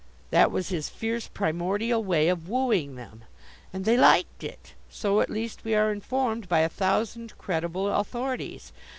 That was his fierce, primordial way of "wooing" them. And they liked it. So at least we are informed by a thousand credible authorities.